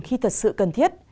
khi thật sự cần thiết